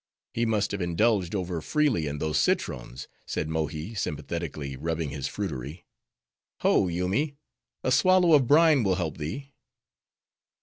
"He must have indulged over freely in those citrons," said Mohi, sympathetically rubbing his fruitery. "Ho, Yoomy! a swallow of brine will help thee."